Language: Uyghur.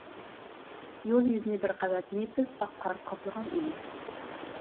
يول يۈزىنى بىر قەۋەت نېپىز ئاق قار قاپلىغان ئىدى.